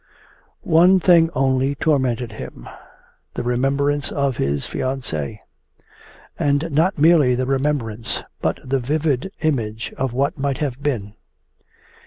One thing only tormented him the remembrance of his fiancee; and not merely the remembrance but the vivid image of what might have been.